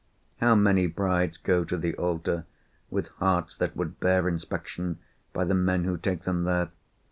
How many brides go to the altar with hearts that would bear inspection by the men who take them there?